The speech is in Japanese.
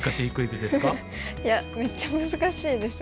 いやめっちゃ難しいです。